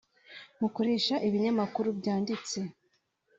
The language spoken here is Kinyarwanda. mukoresha ibinyamakuru byanditse